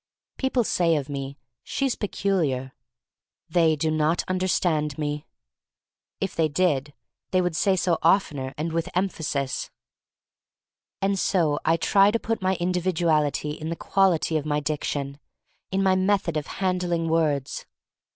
People say of me, "She's peculiar." They do not understand me. If they THE STORY OF MARY MAC LANE 219 did they would say so oftener and with emphasis. And so I try to put my individuality in the quality of my diction, in my method of handling words.